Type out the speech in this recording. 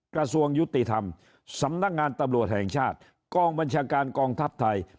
กระทรวงยุติธรรมสำนักงานตำรวจแห่งชาติกองบัญชาการกองทัพไทย